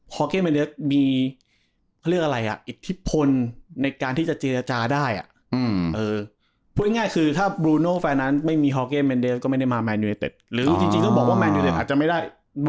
หรือจริงจริงจะบอกว่ามันอินเงินเงินจะไม่ได้